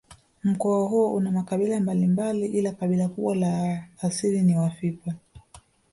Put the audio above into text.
Mkoa huo una makabila mbalimbali ila kabila kubwa na la asili ni Wafipa